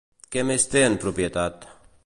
Què més té en propietat?